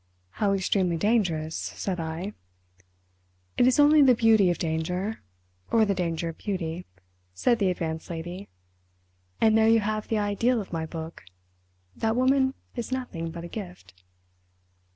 "How extremely dangerous," said I. "It is only the beauty of danger, or the danger of beauty" said the Advanced Lady—"and there you have the ideal of my book—that woman is nothing but a gift."